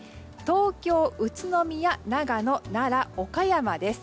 東京、宇都宮長野、奈良、岡山です。